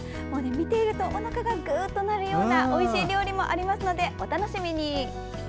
見ているとおなかがグーッとなるようなおいしい料理もありますのでお楽しみに。